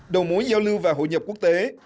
đầu mối giao lưu và hội nhập quốc tế